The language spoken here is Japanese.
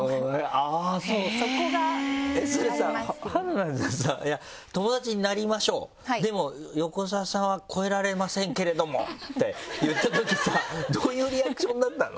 あぁそうそれさ春菜さんさ「友達になりましょうでも横澤さんは越えられませんけれども」って言ったときさどういうリアクションだったの？